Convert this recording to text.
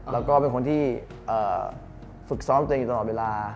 แล้วก็เป็นคนที่ฝึกซ้อมตัวเองอยู่ตลอดเวลา